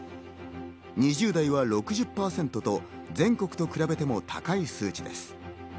２０代は６０％と全国と比べても高い数字です。